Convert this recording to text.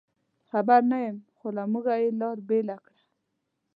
خبر نه یم، خو له موږه یې لار بېله کړه.